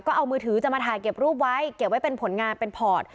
ก็เอามือถือจะมาถ่ายเก็บรูปไว้เก็บไว้เป็นผลงานเป็นพอร์ต